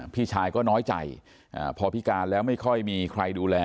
พี่ชายก็น้อยใจพอพิการแล้วไม่ค่อยมีใครดูแล